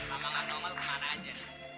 mama gak tau mau kemana aja